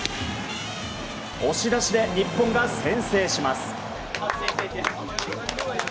押し出しで日本が先制します。